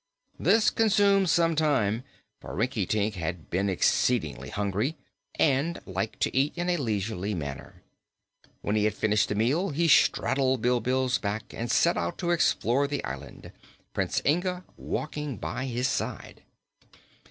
This consumed some time, for Rinkitink had been exceedingly hungry and liked to eat in a leisurely manner. When he had finished the meal he straddled Bilbil's back and set out to explore the island, Prince Inga walking by his side.